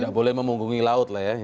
tidak boleh memunggungi laut lah ya